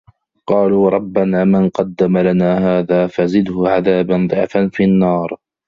قالوا رَبَّنا مَن قَدَّمَ لَنا هذا فَزِدهُ عَذابًا ضِعفًا فِي النّارِ